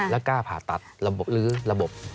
แล้วกล้าผ่าตัดหรือระบบ